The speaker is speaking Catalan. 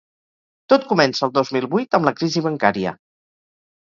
Tot comença el dos mil vuit amb la crisi bancària.